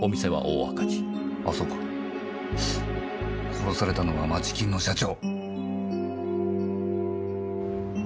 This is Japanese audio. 殺されたのは街金の社長。